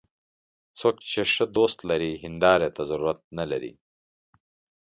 څوک چې ښه دوست لري، هنداري ته ضرورت نه لري